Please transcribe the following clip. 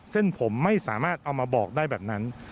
เส้นผมไม่สามารถเอามาบอกได้แบบนั้น